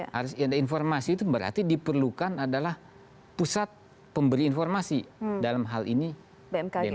harus ada informasi itu berarti diperlukan adalah pusat pemberi informasi dalam hal ini bmkg